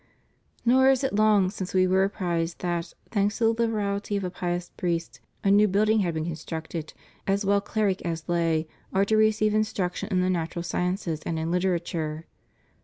Nor is it long since We were apprised that, thanks to the Uberahty of a pious priest, a new building had been constructed, in which young men, as well cleric as lay, are to receive instruction in the natural sciences and in hterature.